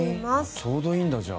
ちょうどいいんだじゃあ。